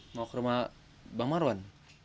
mau ke rumah bang marwan